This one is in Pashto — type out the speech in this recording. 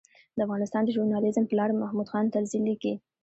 د افغانستان د ژورنالېزم پلار محمود خان طرزي لیکي.